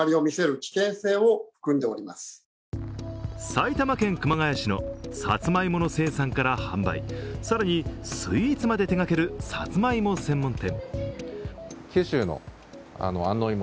埼玉県熊谷市のサツマイモの生産から販売、更にスイーツまで手がけるサツマイモ専門店。